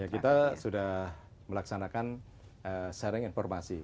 kita sudah melaksanakan sharing informasi